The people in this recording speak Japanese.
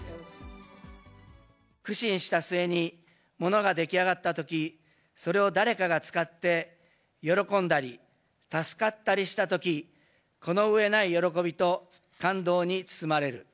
苦心した末に物が出来上がったとき、それを誰かが使って喜んだり、助かったりしたとき、このうえない喜びと感動に包まれる。